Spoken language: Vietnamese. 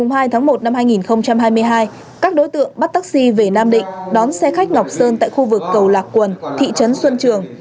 ngày hai tháng một năm hai nghìn hai mươi hai các đối tượng bắt taxi về nam định đón xe khách ngọc sơn tại khu vực cầu lạc quần thị trấn xuân trường